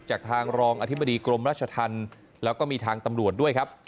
จากทางรองอธิบดีกรมราชธรรมแล้วก็มีทางตำรวจด้วยครับ